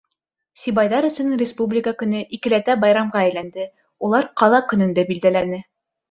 Сибайҙар өсөн Республика көнө икеләтә байрамға әйләнде, улар Ҡала көнөн дә билдәләне.